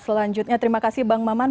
selanjutnya terima kasih bang maman